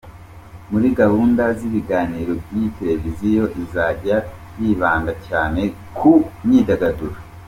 Muri gahunda z’ibiganiro by’iyi televiziyo, izajya yibanda cyane ku myidagaduro.